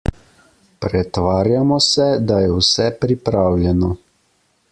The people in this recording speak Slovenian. Pretvarjamo se, da je vse pripravljeno.